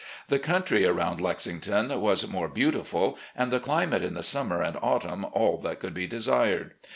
The country aroimd Lexington was most beau tiful, and the climate in the summer and autumn all that could be desired.